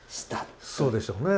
そうでしょうね。